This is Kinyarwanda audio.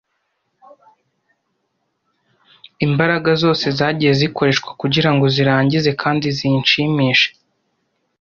Imbaraga zose zagiye zikoreshwa kugirango zirangize kandi zinshimishije,